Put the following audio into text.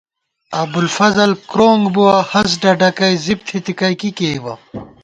ابُوالفضل کۡرونگ بُوَہ، ہست ڈڈَکی زِپ تھِتھِکی کی کېئیبہ